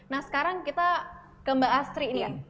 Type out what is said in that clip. nah sekarang kita ke mbak astri nih